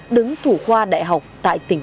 đứng thủ khoa đại học tại tỉnh